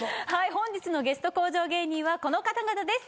本日のゲスト向上芸人はこの方々です